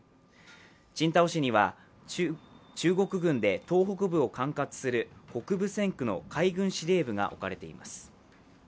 青島市には中国軍で東北部を管轄する北部戦区の海軍司令部が置かれています。